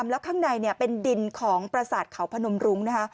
แล้วข้างในเป็นดินของประสาทเขาพนมรุ้งนะคะ